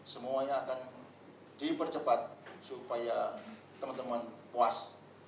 semuanya akan dipercepat supaya teman teman puas